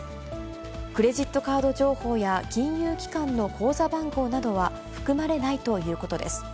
クレジットカード情報や、金融機関の口座番号などは含まれないということです。